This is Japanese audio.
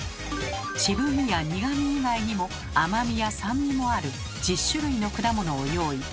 渋味や苦味以外にも甘みや酸味もある１０種類の果物を用意。